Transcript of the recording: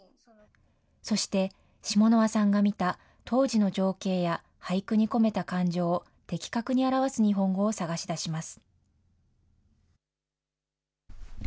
そして、シモノワさんが見た当時の情景や俳句に込めた感情を的確に表す日本語を探し出します。